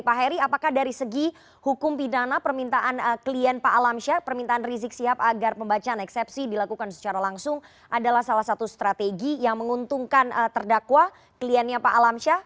pak heri apakah dari segi hukum pidana permintaan klien pak alamsyah permintaan rizik sihab agar pembacaan eksepsi dilakukan secara langsung adalah salah satu strategi yang menguntungkan terdakwa kliennya pak alamsyah